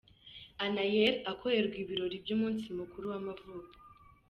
Anaelle akorerwa ibiro by'umunsi mukuru w'amavuko .